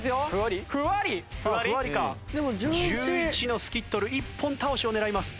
１１のスキットル１本倒しを狙います。